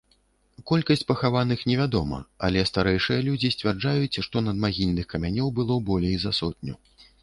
Колькасць пахаваных невядома, але старэйшыя людзі сцвярджаюць, што надмагільных камянёў было болей за сотню.